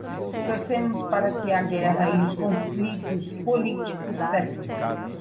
Torcemos para que a guerra e os conflitos políticos cessem